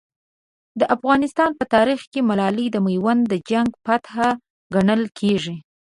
د افغانستان په تاریخ کې ملالۍ د میوند د جنګ فاتحه ګڼل کېږي.